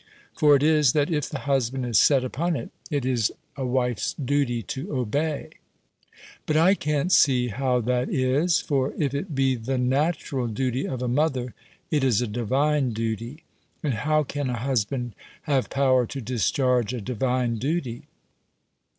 For it is, that if the husband is set upon it, it is a wife's duty to obey. But I can't see how that is; for if it be the natural duty of a mother, it is a divine duty; and how can a husband have power to discharge a divine duty?